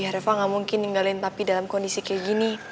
reva gak mungkin ninggalin tapi dalam kondisi kayak gini